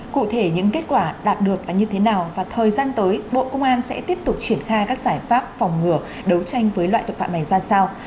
cụ thể những kết quả đạt được là như thế nào và thời gian tới bộ công an sẽ tiếp tục triển khai các giải pháp phòng ngừa đấu tranh với loại tội phạm này ra sao